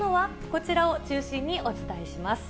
こちらを中心にお伝えします。